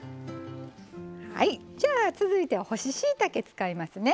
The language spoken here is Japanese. じゃあ、続いては干ししいたけ使いますね。